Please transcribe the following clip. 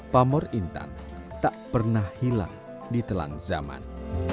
pamor intan tak pernah hilang di telan zaman